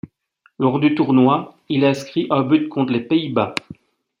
Lors du tournoi, il inscrit un but contre les Pays-Bas.